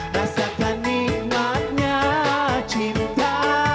rasakan nikmatnya cinta